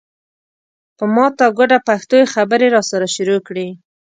په ماته ګوډه پښتو یې خبرې راسره شروع کړې.